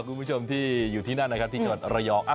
คุณผู้ชมที่อยู่ที่หน้าที่จอดระยอก